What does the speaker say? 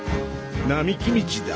並木道だ。